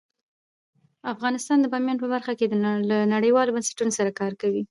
افغانستان د بامیان په برخه کې له نړیوالو بنسټونو سره کار کوي.